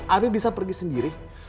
afif bisa pergi sendiri